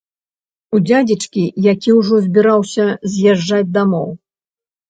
У дзядзечкі, які ўжо збіраўся з'язджаць дамоў.